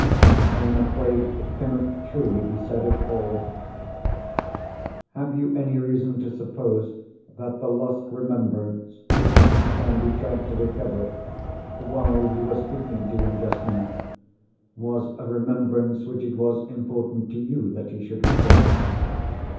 I am afraid it cannot truly be said of all. Have you any reason to suppose that the lost remembrance which Mr. Candy tried to recover—while you were speaking to him just now—was a remembrance which it was important to you that he should recall?"